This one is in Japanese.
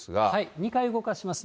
２回動かします。